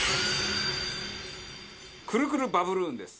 くるくるバブルーンです。